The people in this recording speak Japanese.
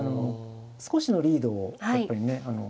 少しのリードをやっぱりね。